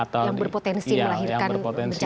yang berpotensi melahirkan bencana baru ya